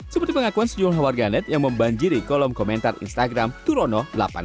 seperti pengakuan sejumlah warganet yang membanjiri kolom komentar instagram turono delapan ribu enam ratus delapan puluh enam